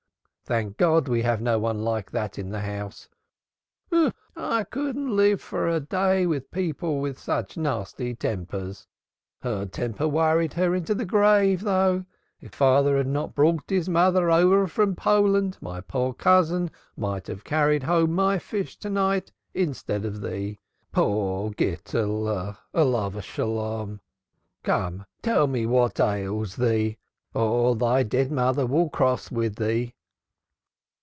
Thank God, we have no one like that in this house. I couldn't live for a day with people with such nasty tempers. Her temper worried her into the grave, though, if thy father had not brought his mother over from Poland my poor cousin might have carried home my fish to night instead of thee. Poor Gittel, peace be upon him! Come tell me what ails thee, or thy dead mother will be cross with thee."